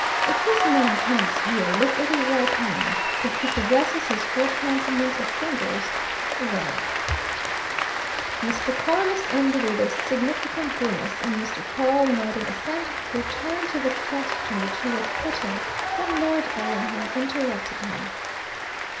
If this man comes here look at his right hand! If he possesses his full complement of fingers, well " Mr. Carless ended with a significant grimace, and Mr. Pawle, nodding assent, returned to the question which he was putting when Lord Ellingham interrupted him.